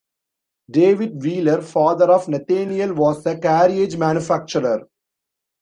David Wheeler, father of Nathaniel, was a carriage manufacturer.